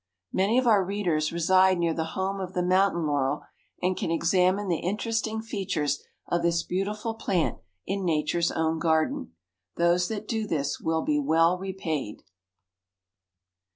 Many of our readers reside near the home of the Mountain Laurel and can examine the interesting features of this beautiful plant in Nature's own garden. Those that do this will be well repaid.